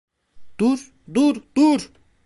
Dur, dur, dur!